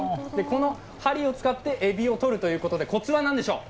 この針を使ってエビをとるということでコツは何でしょう？